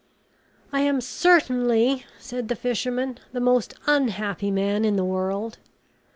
"I am certainly," said the fisherman, "the most unhappy man in the world.